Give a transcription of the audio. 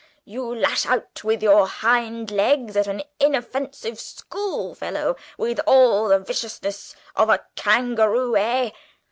You lash out with your hind legs at an inoffensive school fellow, with all the viciousness of a kangaroo, eh?